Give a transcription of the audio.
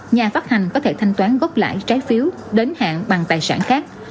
nhà phát hành có thể thanh toán góp lại trái phiếu đến hạng bằng tài sản khác